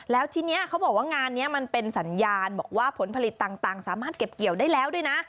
แล้วทีนี้เขาบอกว่างานนี้มันเป็นสัญญาณบอกว่าผลผลิตต่างสามารถเก็บเกี่ยวได้แล้วด้วยนะ